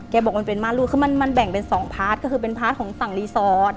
บอกมันเป็นม่านรูดคือมันแบ่งเป็น๒พาร์ทก็คือเป็นพาร์ทของฝั่งรีสอร์ท